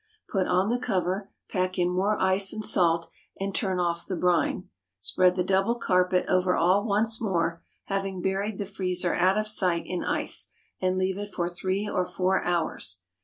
Put on the cover, pack in more ice and salt, and turn off the brine. Spread the double carpet over all once more, having buried the freezer out of sight in ice, and leave it for three or four hours.